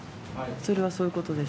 それはそういうことです。